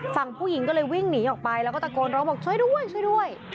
ฝั่งผู้หญิงก็เลยวิ่งหนีออกไปแล้วก็ตะโกนร้องบอกช่วยด้วยช่วยด้วย